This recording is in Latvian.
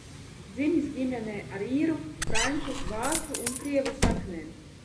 Dzimis ģimenē ar īru, franču, vācu un krievu saknēm.